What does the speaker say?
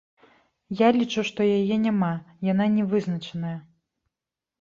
Я лічу, што яе няма, яна не вызначаная.